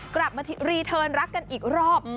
กลับมารีเทิร์นรักกันอีกรอบ